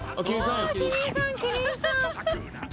ああキリンさんキリンさん。